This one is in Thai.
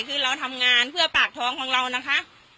คือเราทำงานเพื่อปากท้องของเรานะคะ